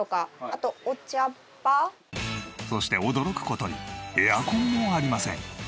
そして驚く事にエアコンもありません。